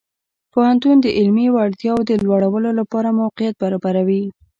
پوهنتون د علمي وړتیاو د لوړولو لپاره موقعیت برابروي.